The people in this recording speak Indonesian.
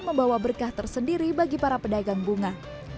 membawa berkah tersendiri bagi para pedagang bunga